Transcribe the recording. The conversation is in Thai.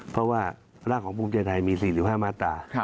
เพราะว่าร่างของภูมิใจไทยมี๔๕มาตรา